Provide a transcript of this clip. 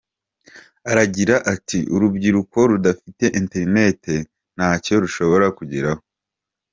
Aragira ati “Urubyiruko rudafite internet ntacyo rushobora kugeraho.